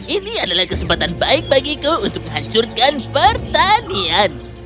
ini adalah kesempatan baik bagiku untuk menghancurkan pertanian